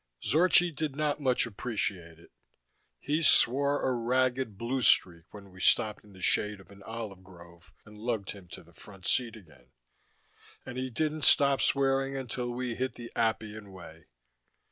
Zorchi did not much appreciate it. He swore a ragged blue streak when we stopped in the shade of an olive grove and lugged him to the front seat again, and he didn't stop swearing until we hit the Appian Way.